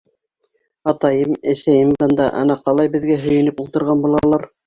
Атайым, әсәйем бында, ана ҡалай беҙгә һөйөнөп ултырған булалар.